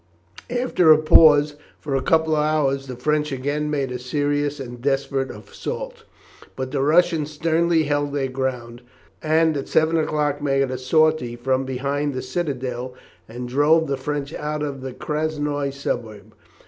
After a pause for a couple of hours the French again made a serious and desperate assault, but the Russians sternly held their ground, and at seven o'clock made a sortie from behind the citadel, and drove the French out of the Krasnoi suburb.